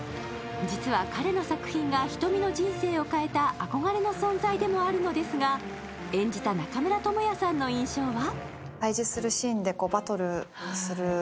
実は彼の作品が瞳の人生を変えた憧れの存在でもあるのですが、演じた中村倫也さんの印象は？